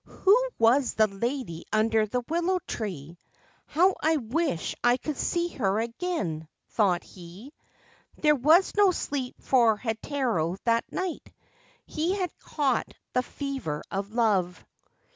' Who was the lady under the willow tree ? How I wish I could see her again !'' thought he. There was no sleep for Heitaro that night. He had caught the fever of love.